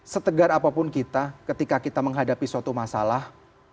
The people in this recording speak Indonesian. setegar apapun kita ketika kita menghadapi suatu masalah